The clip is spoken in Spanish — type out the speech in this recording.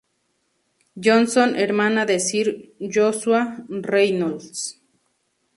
Johnson, hermana de Sir Joshua Reynolds.